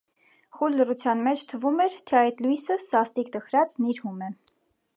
Խուլ լռության մեջ թվում էր, թե այդ լույսը, սաստիկ տխրած, նիրհում է: